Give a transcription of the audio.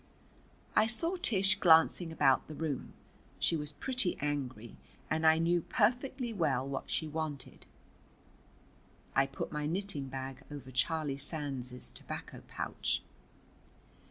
I saw Tish glancing about the room. She was pretty angry, and I knew perfectly well what she wanted. I put my knitting bag over Charlie Sands's tobacco pouch.